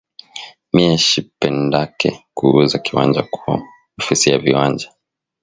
Miye shipendake kuuza kiwanja ku ofisi ya viwanja